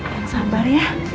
kan sabar ya